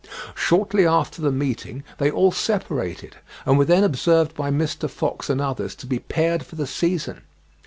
Shortly after the meeting they all separated, and were then observed by Mr. Fox and others to be paired for the season.